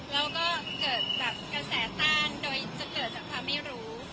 แล้วก็เกิดกระแสต้านโดยมีความไม่รู้